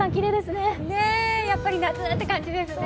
やっぱり夏って感じですね